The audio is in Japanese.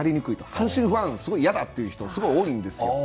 阪神ファンは嫌という人がすごく多いんですよ。